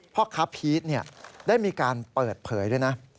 พ่อค้าพีชได้มีการเปิดเผยด้วยนะ